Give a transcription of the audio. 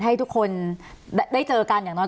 ให้ทุกคนได้เจอกันอย่างน้อย